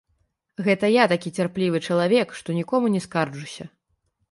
Гэта я такі цярплівы чалавек, што нікому не скарджуся.